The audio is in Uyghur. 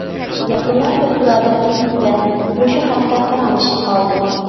يېقىندا بىر بۇرادىرىم بىلەن مۇشۇ ھەقتە پاراڭلىشىپ قالدىم.